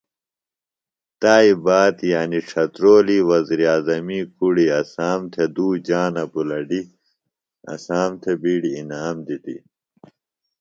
تائی باد یعنی ڇھترولی وزیراعظمی کُڑیۡ اسام تھےۡ دُو جانہ بُلڈیۡ اسام تھےۡ بِیڈیۡ اِنام دِتیۡ